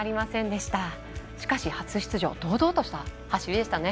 しかし、初出場堂々とした走りでしたね。